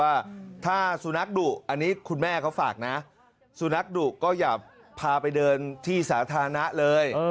ว่าถ้าสุนัขดุอันนี้คุณแม่เขาฝากนะสุนัขดุก็อย่าพาไปเดินที่สาธารณะเลย